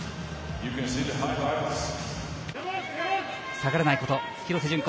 下がらないこと廣瀬順子。